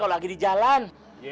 kalau lagi di jalan